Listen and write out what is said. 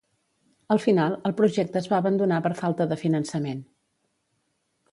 Al final, el projecte es va abandonar per falta de finançament.